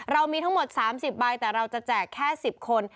เรามีทั้งหมด๓๐ใบแต่เราจะแจกแค่๑๐คน